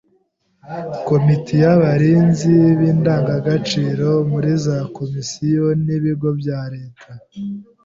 Komite y’abarinzi b’indangagaciro muri za komisiyo n’ibigo bya leta